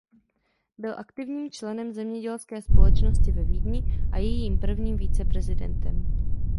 Byl aktivním členem zemědělské společnosti ve Vídni a jejím prvním viceprezidentem.